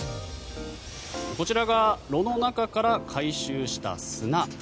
こちらが炉の中から回収した砂。